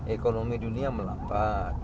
ekonomi dunia melambat